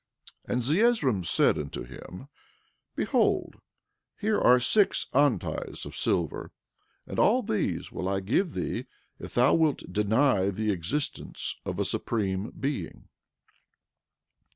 And Zeezrom said unto him: Behold, here are six onties of silver, and all these will I give thee if thou wilt deny the existence of a Supreme Being.